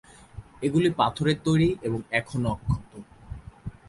এইগুলি পাথরের তৈরি এবং এখনও অক্ষত।